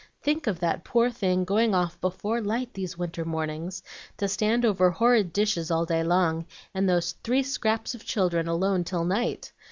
Think of that poor thing going off before light these winter mornings to stand over horrid dishes all day long, and those three scraps of children alone till night!